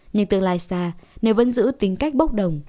nhưng tương lai xa nếu vẫn giữ tính cách bốc đồng